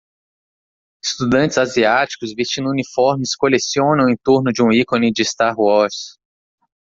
Estudantes asiáticos vestindo uniformes colecionam em torno de um ícone de Star Wars.